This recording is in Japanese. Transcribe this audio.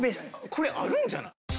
これあるんじゃない？